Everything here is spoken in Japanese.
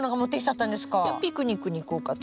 いやピクニックに行こうかと。